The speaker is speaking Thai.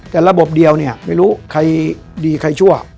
แต่ระบบเดียวเนี่ยไม่รู้ใครดีใครชั่ว